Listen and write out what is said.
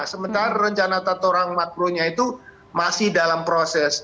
sementara rencana tata ruang makronya itu masih dalam proses